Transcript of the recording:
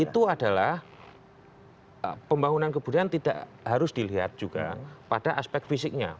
itu adalah pembangunan kebudayaan tidak harus dilihat juga pada aspek fisiknya